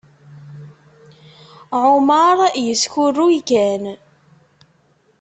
Ɛumaṛ yeskurruy kan.